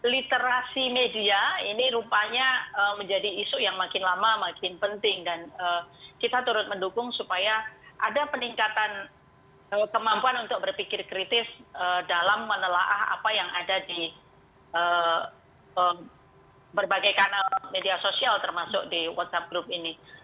literasi media ini rupanya menjadi isu yang makin lama makin penting dan kita turut mendukung supaya ada peningkatan kemampuan untuk berpikir kritis dalam menelah apa yang ada di berbagai kanal media sosial termasuk di whatsapp group ini